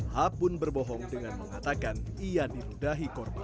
ha pun berbohong dengan mengatakan ia diludahi korban